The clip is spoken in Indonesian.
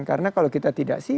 karena kalau kita tidak